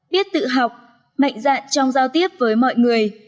biết tự học mạnh dạn trong giao tiếp với mọi người